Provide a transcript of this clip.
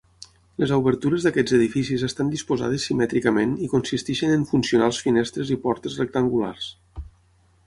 Les obertures d'aquests edificis estan disposades simètricament i consisteixen en funcionals finestres i portes rectangulars.